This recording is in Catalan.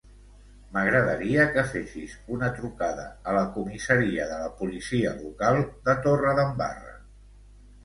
M'agradaria que fessis una trucada a la comissaria de la policia local de Torredembarra.